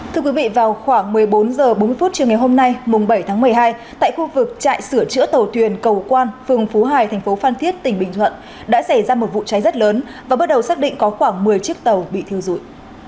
thưa quý vị vào khoảng một mươi bốn h bốn mươi chiều ngày hôm nay mùng bảy tháng một mươi hai tại khu vực trại sửa chữa tàu thuyền cầu quan phường phú hải thành phố phan thiết tỉnh bình thuận đã xảy ra một vụ cháy rất lớn và bước đầu xác định có khoảng một mươi chiếc tàu bị thiêu dụi